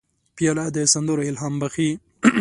پیاله د سندرو الهام بخښي.